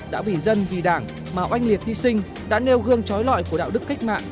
đã vì dân vì đảng mà oanh liệt hy sinh đã nêu gương trói loại của đạo đức cách mạng